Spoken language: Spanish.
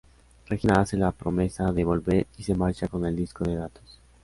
Regina hace la promesa de volver y se marcha con el disco de datos.